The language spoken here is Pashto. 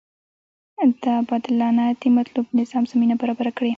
دا بدلانه د مطلوب نظام زمینه برابره کړي.